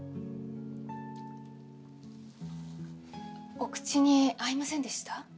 お口に合いませんでした？